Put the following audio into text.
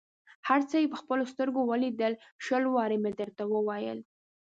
هر څه یې په خپلو سترګو ولیدل، شل وارې مې درته وویل.